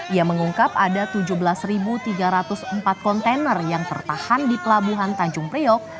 ia mengungkap ada tujuh belas tiga ratus empat kontainer yang tertahan di pelabuhan tanjung priok